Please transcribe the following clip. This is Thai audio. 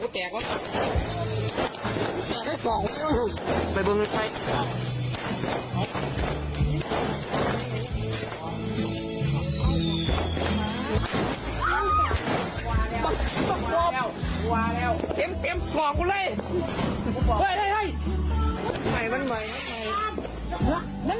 ทำไมให้คุณผู้ชมมันเตรียมสอกด้วย